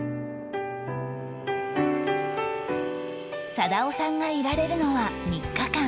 貞雄さんがいられるのは３日間